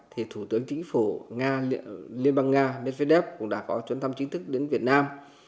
thì thủ tướng chính phủ liên bang nga mết vết đếp cũng đã có chuyến thăm chính thức đến việt nam